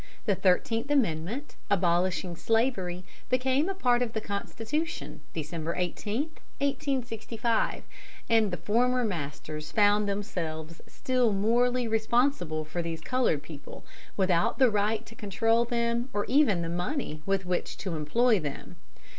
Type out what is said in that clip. The Thirteenth Amendment, abolishing slavery, became a part of the Constitution, December 18, 1865, and the former masters found themselves still morally responsible for these colored people, without the right to control them or even the money with which to employ them.